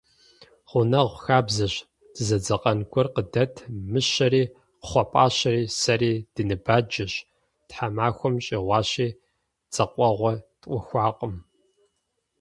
Гъунэгъу хабзэщ: дызэдзэкъэн гуэр къыдэт, мыщэри, кхъуэпӏащэри, сэри дыныбаджэщ, тхьэмахуэм щӏигъуащи, дзэкъэгъуэ тӏухуакъым.